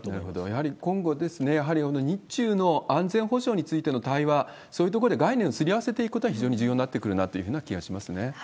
やはり今後、やはり日中の安全保障についての対話、そういうところで概念をすり合わせていくことが非常に重要になってくるなというふうな気はしますね。